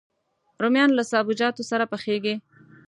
رومیان له سابهجاتو سره پخېږي